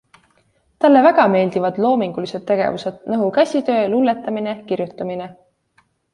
Talle väga meeldivad loomingulised tegevused, nagu käsitöö, luuletamine, kirjutamine.